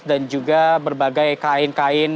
dan juga berbagai kain kain